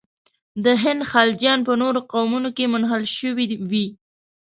د هند خلجیان په نورو قومونو کې منحل شوي وي.